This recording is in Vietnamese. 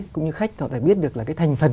cũng như khách họ đã biết được là cái thành phần